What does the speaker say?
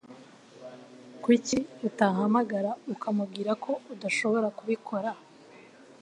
Kuki utahamagara ukamubwira ko udashobora kubikora?